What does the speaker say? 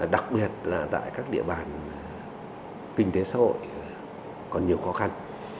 đặc biệt là tại các địa bàn kinh tế xã hội còn nhiều khó khăn